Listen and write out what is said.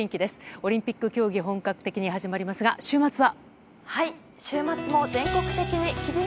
オリンピック競技が本格的に始まりますが、週末は？